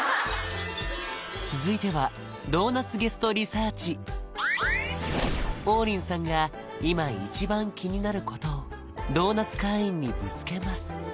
続いては王林さんが今一番気になることをドーナツ会員にぶつけます